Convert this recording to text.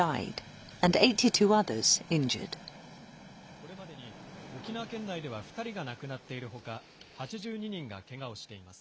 これまでに沖縄県内では２人が亡くなっているほか８２人がけがをしています。